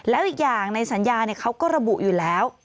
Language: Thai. แล้วอีกอย่างในสัญญาเขาก็ระบุอยู่แล้ว